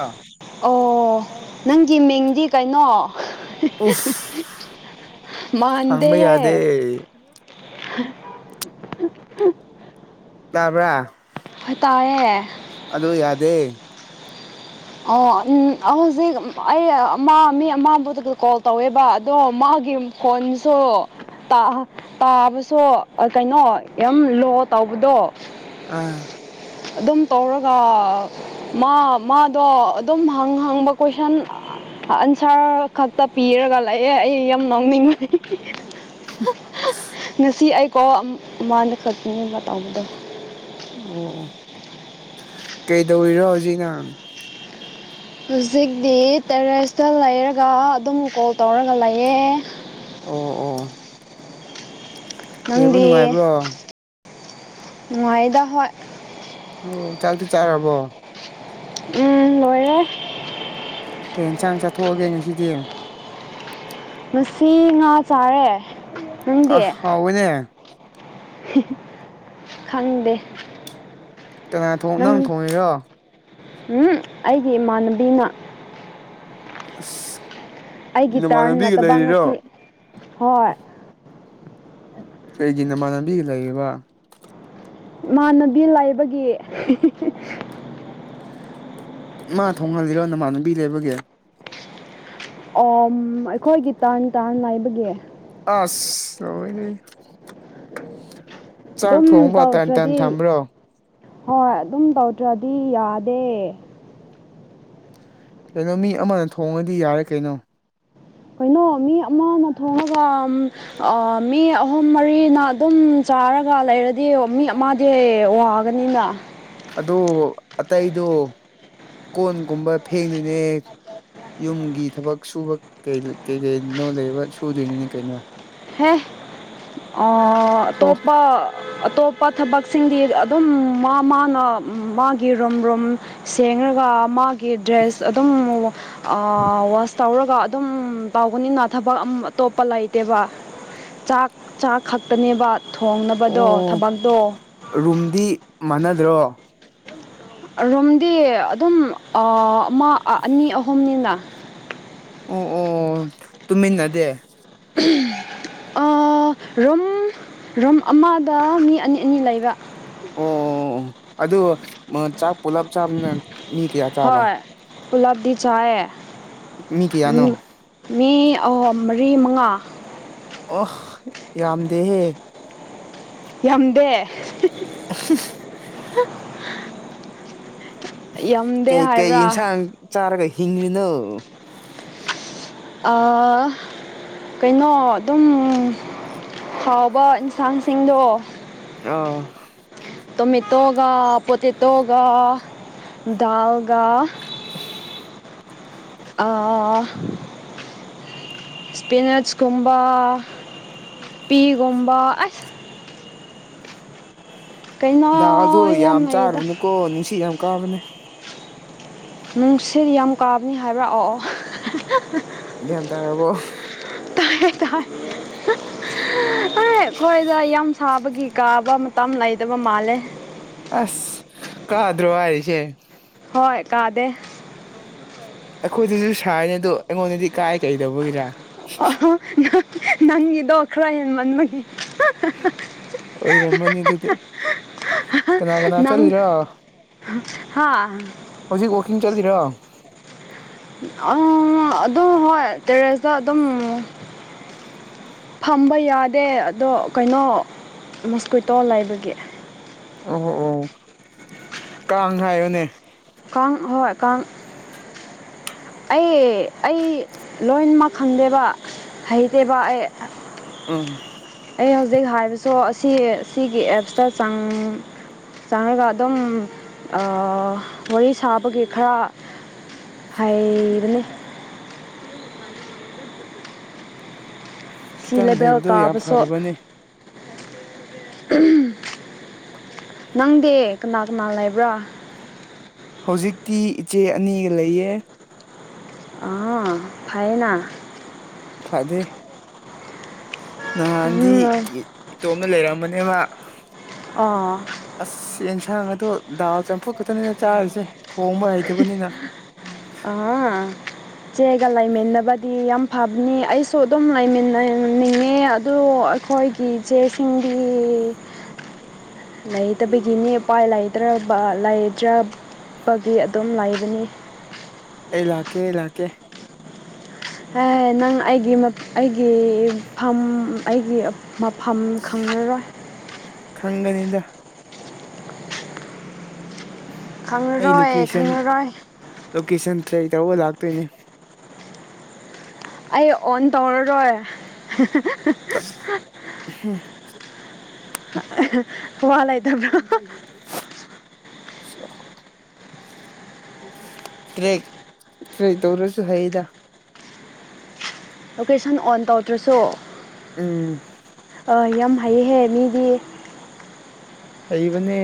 ꯑꯥ ꯑꯣ ꯅꯪꯒꯤ ꯃꯤꯡꯗꯤ ꯀꯩꯅꯣ? ꯍ ꯎꯐ ꯍ ꯍ ꯃꯥꯥꯟꯗꯦ ꯍꯪꯕ ꯍꯦ꯫ ꯌꯥꯗꯦ ꯇꯥꯕ꯭ꯔꯥ? ꯍꯣꯏ ꯇꯥꯌꯦ꯫ ꯑꯗꯨ ꯌꯥꯗꯦ꯫ ꯑꯣ ꯑꯝ ꯍꯧꯖꯤꯛ ꯑꯩ ꯑꯃ ꯃꯤ ꯑꯃꯕꯨꯗꯨ ꯀꯣꯜ ꯇꯧꯋꯦꯕ ꯑꯗꯣ ꯃꯥꯒꯤ ꯐꯣꯟꯁꯨ ꯇꯥꯕꯁꯨ ꯀꯩꯅꯣ ꯌꯥꯝ ꯂꯣ ꯇꯧꯕꯗꯣ ꯑꯥ ꯑꯗꯨꯝ ꯇꯧꯔꯒ ꯃꯥ ꯃꯥ ꯑꯗꯣ ꯑꯗꯨꯝ ꯍꯪ ꯍꯪꯕ ꯀꯣꯏꯁꯟ ꯑꯟꯁꯥꯔ ꯈꯛꯇ ꯄꯤꯔꯒ ꯂꯩꯑꯦ ꯑꯩ ꯌꯥꯝ ꯅꯣꯛꯅꯤꯡꯕꯅꯤ꯫ ꯍ ꯍ ꯉꯁꯤ ꯑꯩꯀꯣ ꯃꯗ ꯈꯛꯇꯅꯦꯕ ꯇꯧꯕꯗꯣ꯫ ꯎꯝ ꯎꯝ ꯫ ꯀꯩꯗꯧꯔꯤꯔꯣ ꯍꯧꯖꯤꯛ ꯅꯪ? ꯍꯧꯖꯤꯛꯇꯤ ꯇꯦꯔꯦꯁꯇ ꯂꯩꯔꯒ ꯑꯗꯨꯝ ꯀꯣꯜ ꯇꯧꯔꯒ ꯂꯩꯌꯦ꯫ ꯑꯣ ꯑꯣ꯫ ꯂꯩꯕ ꯅꯪꯗꯤ ꯅꯨꯡꯉꯥꯏꯕ꯭ꯔꯣ ꯅꯨꯡꯉꯥꯏꯌꯦꯗ ꯍꯣꯏ꯫ ꯑꯣ ꯆꯥꯛꯇꯤ ꯆꯥꯔꯕꯣ? ꯎꯝ ꯂꯣꯏꯔꯦ꯫ ꯀꯩ ꯏꯟꯁꯥꯡ ꯆꯠꯊꯣꯛꯑꯒꯦ ꯉꯁꯤꯗꯤ? ꯉꯁꯤ ꯉꯥ ꯆꯥꯔꯦ꯫ ꯑ ꯍꯥꯎꯋꯦꯅꯦ꯫ ꯍꯤ ꯍꯤ ꯈꯪꯗꯦ꯫ ꯀꯅꯥ ꯊꯣꯡ ꯅꯪ ꯊꯣꯡꯉꯤꯔꯣ? ꯍꯨꯡꯍꯪ ꯑꯩꯒꯤ ꯏꯃꯥꯟꯅꯕꯤꯅ꯫ ꯑꯁ ꯑꯩꯒꯤ ꯇꯔꯟ ꯅꯃꯥꯟꯅꯕꯤꯒ ꯅꯠꯇꯕ ꯂꯩꯔꯤꯔꯣ? ꯉꯁꯤ ꯍꯣꯏ꯫ ꯀꯩꯒꯤ ꯅꯃꯥꯟꯅꯕꯤꯒ ꯂꯩꯔꯤꯕ? ꯃꯥꯟꯅꯕꯤ ꯂꯩꯕꯒꯤ ꯍꯤ ꯍꯤ ꯍꯤ ꯫ ꯃꯥ ꯊꯣꯡꯍꯜꯂꯤꯔꯣ ꯅꯃꯥꯟꯅꯕꯤ ꯂꯩꯕꯒꯤ? ꯑꯣꯝ ꯑꯩꯈꯣꯏꯒꯤ ꯇ꯭ꯔꯟ ꯇ꯭ꯔꯟ ꯂꯩꯕꯒꯤ꯫ ꯑꯁ! ꯂꯣꯏꯔꯦꯍꯦ꯫ ꯑꯗꯨꯝ ꯊꯣꯡꯕ ꯇꯟ ꯇꯟ ꯇꯧꯗ꯭ꯔꯗꯤ ꯊꯝꯕ꯭ꯔꯣ ꯍꯣꯏ ꯑꯗꯨꯝ ꯇꯧꯗ꯭ꯔꯗꯤ ꯌꯥꯗꯦ꯫ ꯀꯩꯅꯣ ꯃꯤ ꯑꯃꯅ ꯊꯣꯡꯉꯗꯤ ꯌꯥꯔꯦ ꯀꯩꯅꯣ꯫ ꯀꯩꯅꯣ ꯃꯤ ꯑꯃ ꯑꯃ ꯊꯣꯡꯉꯒ ꯑꯝ ꯑꯥ ꯃꯤ ꯑꯍꯨꯝ ꯃꯔꯤꯅ ꯑꯗꯨꯝ ꯆꯥꯔꯒ ꯂꯩꯔꯗꯤ ꯃꯤ ꯑꯃ ꯗꯦ ꯋꯥꯒꯅꯤꯅꯥ ꯑꯗꯣ ꯑꯇꯩꯗꯣ ꯀꯣꯟꯒꯨꯝꯕ ꯐꯦꯡꯗꯨꯢꯅꯦ ꯌꯨꯝꯒꯤ ꯊꯕꯛ ꯁꯨꯕ ꯀꯩꯜ ꯀꯩꯂꯩꯅꯣ ꯂꯩꯕ ꯁꯨꯗꯨꯏꯅꯤꯅꯦ ꯀꯩꯅꯣ ꯍꯦ ꯑꯥ ꯍꯣ ꯑꯇꯣꯞꯄꯥ ꯑꯇꯣꯞꯄ ꯊꯕꯛꯁꯤꯡꯗꯤ ꯑꯗꯨꯝ ꯃꯥ ꯃꯥꯅ ꯃꯥꯒꯤ ꯔꯨꯝ ꯔꯨꯝ ꯁꯦꯡꯔꯒ ꯃꯥꯒꯤ ꯗ꯭ꯔꯦꯁ ꯑꯗꯨꯝ ꯑꯥ ꯋꯥꯁ ꯇꯧꯔꯒ ꯑꯗꯨꯝ ꯇꯧꯒꯅꯤꯅꯥ ꯊꯕꯛ ꯑꯝ ꯑꯇꯣꯞꯄ ꯂꯩꯇꯦꯕ ꯆꯥꯛ ꯆꯥꯛ ꯈꯛꯇꯅꯦꯕ ꯊꯣꯡꯅꯕꯗꯣ ꯑꯣ ꯊꯕꯛꯗꯣ ꯔꯨꯝꯗꯤ ꯃꯥꯟꯅꯗ꯭ꯔꯣ ꯔꯨꯝꯗꯤ ꯑꯗꯨꯝ ꯑꯥ ꯑꯃ ꯑꯅꯤ ꯑꯍꯨꯝꯅꯤꯅ ꯑꯣ ꯑꯣ ꯇꯨꯝꯃꯤꯟꯅꯗꯦ [unintelligible] ꯑꯥ ꯔꯨꯝ ꯔꯨꯝ ꯑꯃꯗ ꯃꯤ ꯑꯅꯤ ꯑꯅꯤ ꯂꯩꯕ ꯑꯣ ꯑꯗꯣ ꯃꯥ ꯆꯥꯛ ꯄꯨꯜꯂꯞ ꯆꯥꯕꯅ ꯃꯤ ꯀꯌꯥ ꯆꯥꯕ ꯄꯨꯜꯂꯞꯗꯤ ꯆꯥꯏꯌꯦ ꯃꯤ ꯃꯤ ꯑꯍꯣ ꯃꯔꯤ ꯃꯉꯥ ꯑꯣꯍ ꯌꯥꯝꯗꯦꯍꯦ ꯌꯥꯝꯗꯦ ꯌꯥꯝꯗꯦ ꯀꯩ ꯀꯩ ꯍꯥꯏꯕ꯭ꯔꯥ ꯌꯦꯟꯁꯥꯡ ꯆꯥꯔꯒ ꯍꯤꯡꯂꯤꯅꯣ ꯑꯥ ꯀꯩꯅꯣ ꯑꯗꯨꯝ ꯎꯝ ꯐꯥꯎꯕ ꯏꯟꯁꯥꯡ ꯁꯤꯡꯗꯣ ꯑꯣ ꯇꯣꯃꯦꯇꯣꯒ ꯄꯣꯇꯦꯇꯣꯒ ꯗꯥꯜꯒ ꯑꯥ ꯁ꯭ꯄꯤꯅꯠꯁ ꯀꯨꯝꯕ ꯄꯤ ꯒꯨꯝꯕ ꯑꯁ ꯀꯩꯅꯣ ꯗꯥꯜꯗꯣ ꯌꯥꯝ ꯆꯥꯔꯨꯅꯨꯀꯣ ꯅꯨꯡꯁꯤꯠ ꯌꯥꯝ ꯀꯥꯕꯅꯦ ꯅꯨꯡꯁꯤꯠ ꯌꯥꯝ ꯀꯥꯕꯅꯤ ꯍꯥꯏꯕ꯭ꯔꯥ ꯑꯣ ꯑꯣ ꯒ꯭ꯌꯥꯟ ꯇꯥꯔꯕꯣ ꯇꯥꯢꯌꯦ ꯇꯥꯢ [unintelligible] ꯑꯦ ꯑꯈꯣꯏꯗꯣ ꯌꯥꯝ ꯁꯥꯕꯒꯤ ꯀꯥꯕ ꯃꯇꯝ ꯂꯩꯇꯕ ꯃꯥꯜꯂꯦ ꯑꯁ ꯀꯥꯗ꯭ꯔꯣ ꯍꯥꯏꯔꯤꯁꯦ ꯍꯣꯏ ꯀꯥꯗꯦ ꯑꯩꯈꯣꯏꯗꯁꯨ ꯁꯥꯢꯅꯦ ꯑꯗꯨ ꯑꯩꯉꯣꯟꯗꯗꯤ ꯀꯥꯏ ꯀꯩꯗꯧꯕꯒꯤꯔꯥ [unintelligible] ꯅꯪ ꯅꯪꯒꯤꯗꯣ ꯈꯔ ꯍꯦꯟꯃꯟꯕꯒꯤ ꯑꯣꯏꯔꯝꯃꯅꯤ ꯑꯗꯨꯗꯤ ꯀꯅꯥ ꯀꯅꯥ ꯅꯪ ꯆꯠꯂꯤꯔꯥ ꯍꯥ ꯍꯧꯖꯤꯛ ꯋꯥꯛꯀꯤꯡ ꯆꯠꯂꯤꯔꯣ [unintelligible] ꯑꯗꯨꯝ ꯍꯣꯏ ꯇꯦꯔꯦꯁꯇ ꯑꯗꯨꯝ ꯐꯝꯕ ꯌꯥꯗꯦ ꯑꯗꯣ ꯀꯩꯅꯣ ꯃꯣꯁꯀ꯭ꯋꯤꯇꯣ ꯂꯩꯕꯒꯤ ꯑꯣ ꯑꯣ ꯀꯥꯡ ꯍꯥꯏꯌꯣꯅꯦ ꯀꯥꯡ ꯍꯣꯏ ꯀꯥꯡ ꯑꯩ ꯑꯩ ꯂꯣꯏꯅꯃꯛ ꯈꯪꯗꯦꯕ ꯍꯩꯇꯦꯕ ꯑꯩ ꯎꯝ ꯑꯩ ꯍꯧꯖꯤꯛ ꯍꯥꯏꯕꯁꯨ ꯑꯁꯤ ꯑꯁꯤꯒꯤ ꯑꯦꯞꯁꯇ ꯆꯪ ꯆꯪꯔꯒ ꯑꯗꯨꯝ ꯑꯥ ꯋꯥꯔꯤ ꯁꯥꯕꯒꯤ ꯈꯔ ꯍꯩꯕꯅꯦ ꯁꯤ ꯈꯤꯇꯪ ꯂꯦꯕꯦꯜ ꯍꯩꯕꯗꯣ ꯌꯥꯝ ꯀꯥꯕꯁꯨ ꯐꯔꯕꯅꯦ [unintelligible] ꯅꯪꯗꯤ ꯀꯅꯥ ꯀꯅꯥ ꯂꯩꯕ꯭ꯔꯥ ꯍꯧꯖꯤꯛꯇꯤ ꯏꯆꯦ ꯑꯅꯤꯒ ꯂꯩꯌꯦ ꯑꯥ ꯐꯩꯌꯦꯅ ꯐꯥꯗꯦ ꯅꯍꯥꯟꯗꯤ ꯌꯦ ꯏꯇꯣꯝꯅ ꯂꯩꯔꯝꯕꯅꯦꯕ ꯑꯣ ꯑꯁ ꯌꯦꯟꯁꯥꯡꯒꯗꯣ ꯗꯥꯜ ꯆꯝꯐꯨꯠ ꯈꯛꯇꯅꯦ ꯆꯥꯔꯤꯁꯦ ꯊꯣꯡꯕ ꯍꯩꯇꯕꯅꯤꯅ ꯑꯥ ꯏꯆꯦꯒ ꯂꯩꯃꯤꯟꯅꯕꯗꯤ ꯌꯥꯝ ꯐꯕꯅꯦ ꯑꯩꯁꯨ ꯑꯗꯨꯝ ꯂꯩꯃꯤꯟꯅꯅꯤꯡꯉꯦ ꯑꯗꯨ ꯑꯩꯈꯣꯏ ꯒꯤ ꯏꯆꯦꯁꯤꯡꯗꯤ ꯂꯩꯇꯕꯒꯤꯅꯤ ꯎꯄꯥꯏ ꯂꯩꯇ꯭ꯔꯕ ꯂꯩꯇ꯭ꯔꯕꯒꯤ ꯑꯗꯨꯝ ꯂꯩꯕꯅꯤ ꯑꯩ ꯂꯥꯛꯀꯦ ꯑꯩ ꯂꯥꯛꯀꯦ ꯍꯦ ꯅꯪ ꯑꯩꯒꯤ ꯑꯩꯒꯤ ꯐꯝ ꯑꯩꯒꯤ ꯃꯐꯝ ꯈꯪꯪꯂꯔꯣꯏ ꯈꯪꯒꯅꯤꯗ ꯑꯩ ꯈꯪꯂꯔꯣꯏ ꯂꯣꯀꯦꯁꯟ ꯈꯪꯂꯔꯣꯏ ꯂꯣꯀꯦꯁꯟ ꯇ꯭ꯔꯦꯛ ꯇꯧꯔꯒ ꯂꯥꯛꯇꯣꯏꯅꯦ ꯑꯩ ꯑꯣꯟ ꯇꯧꯔꯔꯣꯏ [unintelligible] ꯋꯥ ꯂꯩꯇꯕ꯭ꯔꯣ [unintelligible] ꯇ꯭ꯔꯦꯛ ꯇ꯭ꯔꯦꯛ ꯇꯧꯔꯁꯨ ꯍꯩꯗ ꯂꯣꯀꯦꯁꯟ ꯑꯣꯟ ꯇꯧꯗ꯭ꯔꯁꯨ ꯎꯝ ꯑꯣ ꯌꯥꯝ ꯍꯩꯌꯦ ꯍꯦ ꯃꯤꯗꯤ ꯍꯩꯕꯅꯦ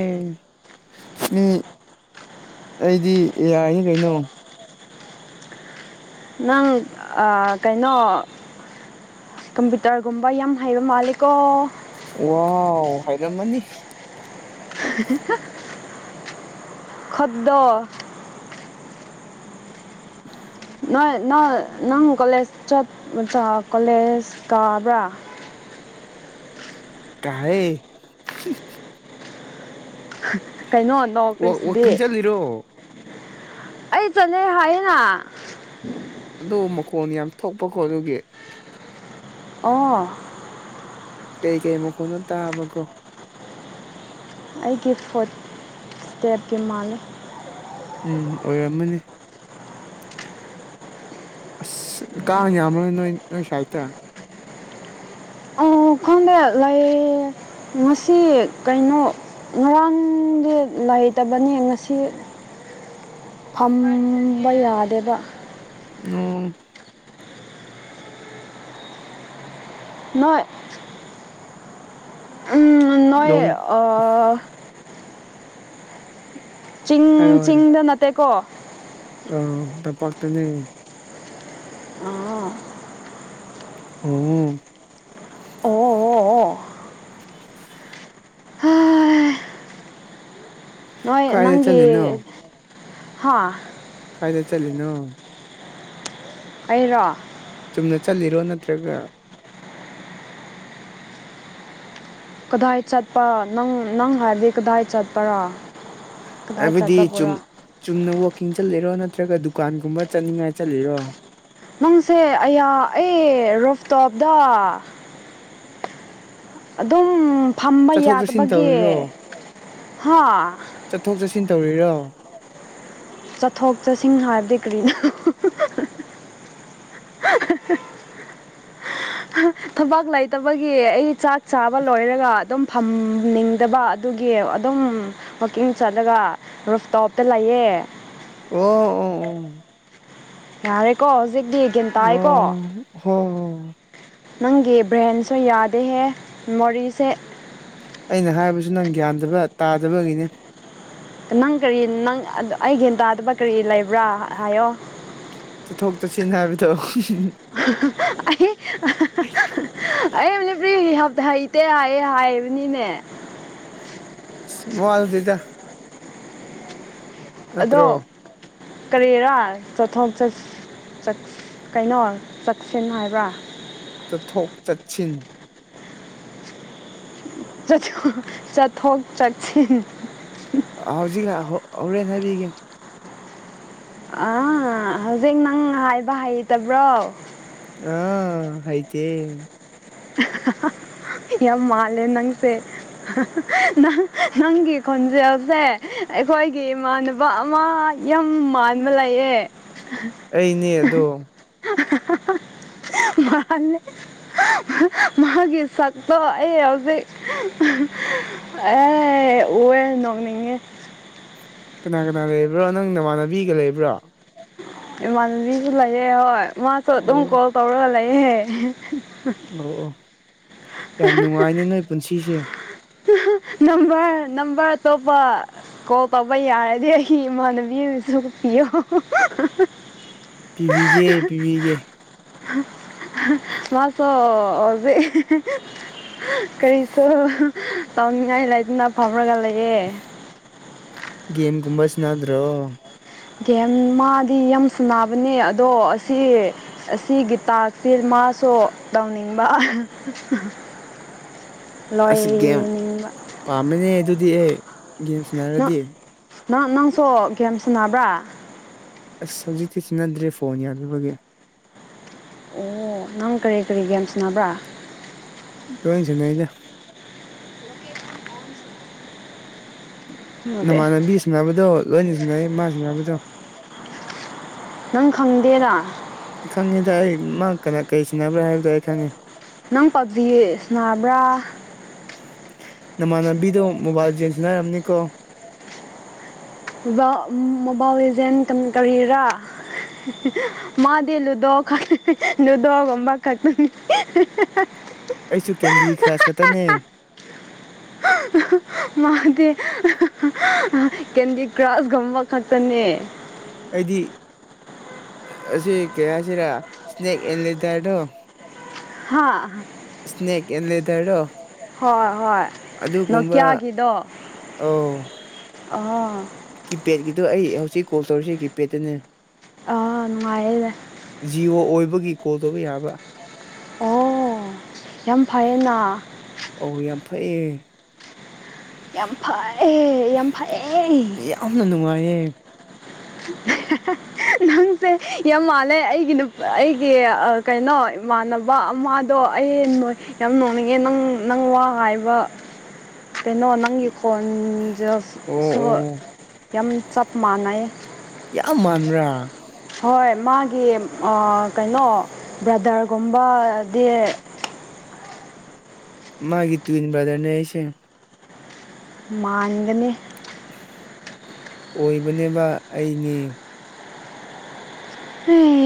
ꯃꯤ ꯑꯩꯗꯤ ꯑꯦ ꯌꯥꯏ ꯅꯤ ꯀꯩꯅꯣ ꯅꯪ ꯑꯥ ꯀꯩꯅꯣ ꯀꯝꯄ꯭ꯌꯨꯇꯔꯒꯨꯝꯕ ꯌꯥꯝ ꯍꯩꯕ ꯃꯥꯂꯦꯀꯣ ꯋꯥꯎ ꯍꯩꯔꯝꯃꯅꯤ ꯈꯟꯗꯣ [unintelligible] ꯅꯣꯏ ꯅꯣꯏ ꯅꯪ ꯀꯣꯂꯦꯖ ꯆꯄ ꯆꯥ ꯀꯣꯂꯦꯖ ꯀꯥꯕ꯭ꯔꯥ ꯀꯥꯏꯌꯦ ꯀꯩꯅꯣ ꯋꯥꯛ ꯅꯣꯛꯈ꯭ꯔꯤꯁꯤꯗꯤ ꯋꯥꯛꯀꯤꯡ ꯆꯠꯂꯤꯔꯣ ꯑꯩ ꯆꯠꯂꯦ ꯍꯥꯏꯌꯦꯅ ꯑꯗꯨ ꯃꯈꯣꯟ ꯌꯥꯝ ꯊꯣꯛꯄꯀꯣ ꯑꯗꯨꯒꯤ ꯑꯣ ꯀꯩ ꯀꯩ ꯃꯈꯣꯟꯅꯣ ꯇꯥꯕꯀꯣ ꯑꯩꯒꯤ ꯐꯨꯠ ꯏꯁꯇꯦꯞꯀꯤ ꯃꯥꯜꯂꯦ ꯎꯝ ꯑꯣꯏꯔꯝꯃꯅꯤ ꯑꯁ ꯀꯥꯡ ꯌꯥꯝꯕ꯭ꯔꯣ ꯅꯣꯏ ꯅꯣꯏ ꯁꯥꯏꯗꯇ ꯑꯣ ꯈꯪꯗꯦ ꯂꯩ ꯉꯁꯤ ꯀꯩꯅꯣ ꯉꯔꯥꯡꯗꯤ ꯂꯩꯇꯕꯅꯦ ꯉꯁꯤ ꯐꯝꯕ ꯌꯥꯗꯦꯕ ꯅꯣ ꯅꯣꯏ ꯎꯝ ꯅꯣꯏ ꯅꯣꯡ ꯑꯥ ꯍꯥꯏꯔꯣ ꯆꯤꯡ ꯍꯥꯏꯔꯣ ꯆꯤꯡꯗ ꯅꯠꯇꯦꯀꯣ ꯑꯧ ꯇꯝꯄꯥꯛꯇꯅꯦ [unintelligible] [unintelligible] ꯑꯣ ꯑꯣ ꯑꯣ ꯍꯥ ꯅꯣꯏ ꯀꯥꯏꯗ ꯅꯪꯒꯤ ꯆꯠꯂꯤꯅꯣ ꯍꯥ ꯀꯥꯏꯗ ꯆꯠꯂꯤꯅꯣ ꯑꯩꯔꯣ ꯆꯨꯝꯅ ꯆꯠꯂꯤꯔꯣ ꯅꯠꯇ꯭ꯔꯒ ꯀꯗꯥꯏ ꯆꯠꯄ ꯅꯪ ꯅꯪ ꯍꯥꯏꯕꯗꯤ ꯀꯗꯥꯏ ꯆꯠꯄꯥꯔ ꯑꯕꯗꯤ ꯆꯨꯝ ꯆꯨꯝꯅ ꯋꯥꯛꯀꯤꯡ ꯆꯠꯂꯤꯔꯣ ꯅꯠꯇ꯭ꯔꯒ ꯗꯨꯀꯥꯟꯒꯨꯝꯕ ꯆꯠꯅꯤꯡꯉꯥꯏ ꯆꯠꯂꯤꯔꯣ ꯅꯪꯁꯦ ꯑꯌꯥ ꯑꯩ ꯔꯨꯞꯇꯣꯞꯗ ꯑꯗꯨꯝ ꯐꯝꯕ ꯆꯠꯊꯣꯛ ꯆꯠꯁꯤꯟ ꯌꯥꯗꯕꯒꯤ ꯇꯧꯔꯤꯔꯣ ꯍꯥ ꯆꯠꯊꯣꯛ ꯆꯠꯁꯤꯟ ꯇꯧꯔꯤꯔꯣ ꯆꯠꯊꯣꯛ ꯆꯠꯁꯤꯟ ꯍꯥꯏꯕꯗꯤ ꯀꯔꯤꯅꯣ ꯊꯕꯛ ꯂꯩꯇꯕꯒꯤ ꯑꯩ ꯆꯥꯛ ꯆꯥꯕ ꯂꯣꯏꯔꯒ ꯑꯗꯨꯝ ꯐꯝꯅꯤꯡꯗꯕ ꯑꯗꯨꯒꯤ ꯑꯗꯨꯝ ꯋꯥꯛꯀꯤꯡ ꯆꯠꯂꯒ ꯔꯨꯐꯇꯣꯞꯇ ꯂꯩꯌꯦ ꯑꯣ ꯑꯣ ꯑꯣ ꯌꯥꯔꯦꯀꯣ ꯍꯧꯖꯤꯛꯇꯤ ꯒꯌꯥꯟ ꯑꯣ ꯇꯥꯏꯌꯦꯀꯣ [unintelligible] ꯅꯪꯒꯤ ꯕ꯭ꯔꯦꯟꯁꯨ ꯌꯥꯗꯦꯍꯦ ꯃꯣꯔꯤꯁꯦ ꯑꯩꯅ ꯍꯥꯏꯕꯁꯨ ꯅꯪ ꯒ꯭ꯌꯥꯟꯗꯕ ꯇꯥꯗꯕꯒꯤꯅꯦ ꯅꯪ ꯀꯔꯤ ꯅꯪ ꯑꯩ ꯒ꯭ꯌꯥꯟ ꯇꯥꯗꯕꯠ ꯀꯔꯤ ꯂꯩꯕ꯭ꯔꯥ ꯍꯥꯏꯌꯣ ꯆꯠꯊꯣꯛ ꯆꯠꯁꯤꯟ ꯍꯥꯏꯕꯗꯣ ꯑꯩ ꯑꯩ ꯅꯨꯄꯤꯒꯤ ꯍꯩꯇꯦ ꯍꯥꯏꯌꯦ ꯍꯥꯏꯕꯅꯤꯅꯦ ꯃꯋꯥ ꯂꯧꯗꯦꯗ ꯑꯗꯣ ꯅꯠꯇ꯭ꯔꯣ ꯀꯔꯤꯔ ꯆꯠꯊꯣꯛ ꯆꯠꯁ ꯆꯠ ꯀꯩꯅꯣ ꯆꯠꯁꯤꯟ ꯍꯥꯏꯕ꯭ꯔꯥ ꯆꯠꯊꯣꯛ ꯆꯠꯁꯤꯟ ꯆꯠ ꯆꯠꯊꯣꯛ ꯆꯛꯁꯤꯟ ꯍꯧꯖꯤꯛ ꯉꯥ ꯍꯣ ꯍꯣꯔꯦꯟ ꯍꯥꯏꯕꯤꯒꯦ ꯑꯥ ꯍꯧꯖꯤꯛ ꯅꯪ ꯍꯥꯏꯕ ꯍꯩꯇꯕ꯭ꯔꯣ ꯑꯥ ꯍꯩꯇꯦ ꯌꯥꯝ ꯃꯥꯂꯦ ꯅꯪꯁꯦ ꯅꯪ ꯅꯪ ꯅꯪꯒꯤ ꯈꯣꯟꯖꯦꯜꯁꯦ ꯑꯩꯈꯣꯏꯒꯤ ꯏꯃꯥꯟꯅꯕ ꯑꯃ ꯌꯥꯝ ꯃꯥꯟꯕ ꯂꯩꯌꯦ ꯑꯩꯅꯦ ꯑꯗꯣ [unintelligible] ꯃꯥꯅꯦ ꯃꯥꯒꯤ ꯁꯛꯇꯣ ꯑꯩ ꯍꯧꯖꯤꯛ ꯑꯦ ꯎꯋꯦ ꯅꯣꯛꯅꯤꯡꯉꯦ ꯀꯅꯥ ꯀꯅꯥ ꯂꯩꯕ꯭ꯔꯣ ꯅꯪ ꯅꯃꯥꯟꯅꯕꯤꯒ ꯂꯩꯕ꯭ꯔꯣ ꯏꯃꯥꯟꯅꯕꯤꯁꯨ ꯂꯩꯌꯦ ꯍꯣꯏ ꯃꯥꯁꯨ ꯑꯗꯨꯝ ꯑꯣ ꯀꯣꯜ ꯇꯧꯔꯒ ꯂꯩꯌꯦ ꯑꯣ ꯑꯣ ꯌꯥꯝ ꯅꯨꯡꯉꯥꯏꯅꯦ ꯅꯣꯏ ꯄꯨꯟꯁꯤꯁꯦ ꯅꯝꯕꯔ ꯅꯝꯕꯔ ꯑꯇꯣꯄ ꯀꯣꯜ ꯇꯧꯕ ꯌꯥꯔꯗꯤ ꯑꯩꯒꯤ ꯏꯃꯥꯅꯕꯤ ꯑꯃꯁꯨ ꯄꯤꯌꯣ ꯄꯤꯕꯤꯒꯦ ꯄꯤꯕꯤꯒꯦ [unintelligible] ꯑꯣꯖꯤꯛ ꯀꯔꯤꯁꯨ ꯇꯧꯅꯤꯡꯉꯥꯏ ꯂꯩꯇꯅ ꯐꯝꯔꯒ ꯂꯩꯌꯦ ꯒꯦꯝ ꯒꯨꯝꯕ ꯁꯥꯟꯅꯗ꯭ꯔꯣ ꯒꯦꯝ ꯃꯥꯗꯤ ꯌꯥꯝ ꯁꯥꯟꯅꯕꯅꯦ ꯑꯗꯣ ꯑꯁꯤ ꯑꯁꯤꯒꯤ ꯇꯥꯛꯁ ꯁꯦ ꯃꯥꯁꯨ ꯇꯧꯅꯤꯡꯕ [inaudible] ꯑꯁ ꯒꯦꯝ ꯂꯣꯏꯅꯤꯡꯕ ꯄꯥꯝꯕꯅꯦ ꯑꯗꯨꯗꯤ ꯒꯦꯝ ꯅꯪ ꯁꯥꯟꯅꯔꯗꯤ ꯅꯪ ꯅꯪꯁꯨ ꯒꯦꯝ ꯁꯥꯟꯅꯕ꯭ꯔꯥ ꯑꯁ ꯍꯧꯖꯤꯛꯇꯤ ꯁꯥꯟꯅꯗ꯭ꯔꯦ ꯐꯣꯟ ꯌꯥꯗꯕꯒꯤ ꯑꯣ ꯅꯪ ꯀꯔꯤ ꯀꯔꯤ ꯒꯦꯝ ꯁꯥꯟꯅꯕ꯭ꯔꯥ ꯂꯣꯏꯟ ꯁꯥꯟ ꯅꯩꯗ ꯅꯠꯇꯦ ꯅꯃꯥꯟꯅꯕꯤ ꯁꯥꯟꯅꯕꯗꯣ ꯂꯣꯏꯅ ꯁꯥꯟꯅꯩꯌꯦ ꯃꯥꯅ ꯁꯥꯟꯅꯕꯗꯣ ꯅꯪ ꯈꯪꯗꯦꯅ ꯈꯪꯉꯦꯗ ꯑꯩ ꯃꯥ ꯀꯅꯥ ꯀꯩ ꯁꯥꯟꯅꯕ꯭ꯔꯥ ꯍꯥꯏꯕꯗꯣ ꯑꯩ ꯈꯪꯉꯦ ꯅꯪ ꯄꯞꯖꯤ ꯁꯥꯟꯅꯕ꯭ꯔꯥ ꯅꯃꯥꯟꯅꯕꯤꯗꯣ ꯃꯣꯕꯥꯏꯜ ꯂꯤꯖꯦꯟ ꯁꯥꯟꯅꯔꯝꯅꯤ ꯀꯣ ꯖ ꯃꯣꯕꯥꯏꯜ ꯂꯤꯖꯦꯟ ꯀꯔꯤꯔꯥ ꯃꯥꯗꯤ ꯂꯨꯗꯣ ꯒꯛ ꯂꯨꯗꯣꯒꯨꯕ ꯒꯛꯇꯅꯦ ꯑꯩꯁꯨ ꯀꯦꯟꯗꯤ ꯀ꯭ꯔꯁ ꯈꯛꯇꯅꯦ ꯃꯥꯗꯤ ꯀꯦꯟꯗꯤ ꯀ꯭ꯔꯁꯒꯨꯝꯕ ꯈꯛꯇꯅꯦ ꯑꯩꯗꯤ ꯑꯁꯤ ꯀꯩ ꯍꯥꯏꯁꯤꯔꯥ ꯁꯅꯦꯛ ꯑꯦꯟ ꯂꯦꯗꯔꯗꯣ ꯍꯥꯥ ꯁꯅꯦꯛ ꯑꯦ ꯂꯦꯗꯔꯔꯣ ꯍꯣꯏ ꯍꯣꯏ ꯅꯣꯀꯤꯌꯥꯒꯤꯗꯣ ꯑꯧ ꯑꯥ ꯀꯤꯄꯦꯗꯀꯤꯗꯣ ꯑꯩ ꯍꯧꯖꯤꯛ ꯀꯣꯜ ꯇꯧꯔꯤꯁꯤ ꯀꯤꯄꯦꯗ ꯇꯅꯦ ꯑꯥ ꯅꯨꯡꯉꯥꯥꯏꯔꯦꯅꯦ ꯖꯤꯌꯣ ꯑꯣꯏꯕꯒꯤ ꯀꯣꯜ ꯇꯧꯕ ꯌꯥꯕ ꯑꯣ ꯌꯥꯝ ꯐꯩꯌꯦꯅ ꯑꯧ ꯌꯥꯝ ꯐꯩꯌꯦ ꯌꯥꯝ ꯐꯩꯌꯦ ꯌꯥꯝ ꯐꯩꯌꯦ ꯌꯥꯝꯅ ꯅꯨꯡꯉꯥꯏꯌꯦ [unintelligible] ꯅꯪꯁꯦ ꯌꯥꯝ ꯃꯥꯜꯂꯦ ꯑꯩꯒꯤ ꯅꯨꯞ ꯑꯩꯒꯤ ꯑꯥ ꯀꯩꯅꯣ ꯏꯃꯥꯟꯅ ꯕ ꯑꯃꯗꯣ ꯑꯩ ꯅꯣꯏ ꯌꯥꯝ ꯅꯣꯛꯅꯤꯡꯉꯦ ꯅꯪ ꯅꯪ ꯋꯥ ꯍꯥꯏꯕ [inaudible] ꯀꯩꯅꯣ ꯅꯪꯒꯤ ꯏ- ꯑꯣ ꯈꯣꯟꯖꯦꯜꯁꯨ ꯑꯣ ꯌꯥꯝ ꯆꯞ ꯃꯥꯟꯅꯩꯌꯦ ꯌꯥꯝ ꯃꯥꯟꯕ꯭ꯔꯥ ꯍꯣꯏ ꯃꯥꯒꯤ ꯑꯥ ꯀꯩꯅꯣ ꯕ꯭ꯔꯗꯔꯒꯨꯝꯕꯗꯤ ꯃꯥꯒꯤ ꯇꯨꯏꯟ ꯕ꯭ꯔꯥꯗꯔꯅꯦ ꯑꯩꯁꯦ ꯃꯥꯟꯒꯅꯤ ꯑꯣꯏꯕꯅꯦꯕ ꯑꯩꯒꯤ ꯍꯩ